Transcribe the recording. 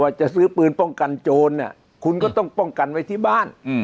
จะซื้อปืนป้องกันโจรคุณก็ต้องป้องกันไว้ที่บ้าน